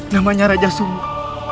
namanya raja sungguh